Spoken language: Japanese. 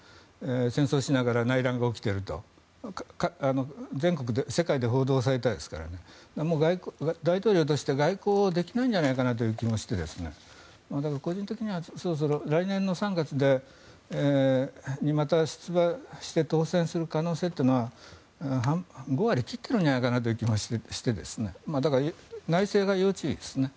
戦争をしながら内乱が起きていると世界に報道されたわけですから大統領として外交できないんじゃないかという気もして個人的には来年の３月にまた出馬して当選する可能性というのは５割を切っている気がして内政が要注意ですね。